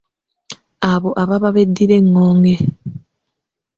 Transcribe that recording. Abo ababa beddira engonge.